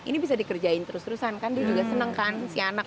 ini bisa dikerjain terus terusan kan dia juga seneng kan si anak